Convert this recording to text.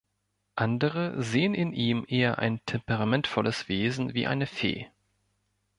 Andere sehen in ihm eher ein temperamentvolles Wesen wie eine Fee.